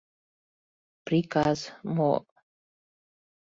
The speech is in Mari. — Приказ... мо...